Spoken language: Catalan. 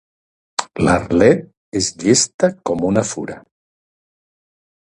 L'Arlet és llesta com una fura.